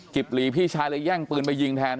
หลีพี่ชายเลยแย่งปืนไปยิงแทน